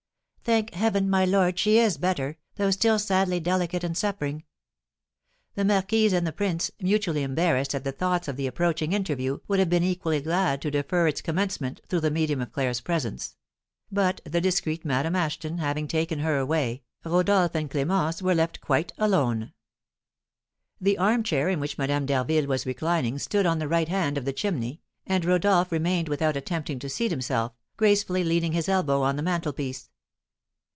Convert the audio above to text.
"Thank heaven, my lord, she is better, though still sadly delicate and suffering." The marquise and the prince, mutually embarrassed at the thoughts of the approaching interview, would have been equally glad to defer its commencement, through the medium of Claire's presence; but, the discreet Madame Ashton having taken her away, Rodolph and Clémence were left quite alone. [Illustration: "You Must Give Me Leave" Original Etching by L. Poiteau] The armchair in which Madame d'Harville was reclining stood on the right hand of the chimney, and Rodolph remained without attempting to seat himself, gracefully leaning his elbow on the mantelpiece.